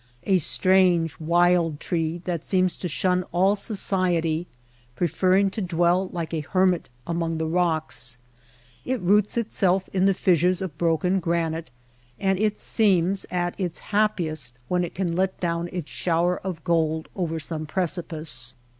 A strange wild tree that seems to shun all society, preferring to dwell like a hermit among the rocks. It roots itself in the fissures of broken granite and it seems at its happiest when it can let down its shower of gold over some precipice.